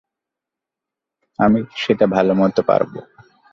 আমি সেটা ভালোমতো পারবো।